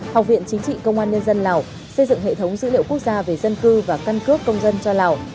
học viện chính trị công an nhân dân lào xây dựng hệ thống dữ liệu quốc gia về dân cư và căn cước công dân cho lào